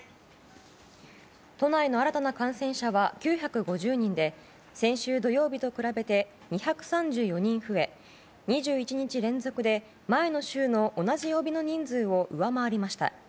都内の新たな感染者は９５０人で先週土曜日と比べて２３４人増え２１日連続で前の週の同じ曜日の人数を上回りました。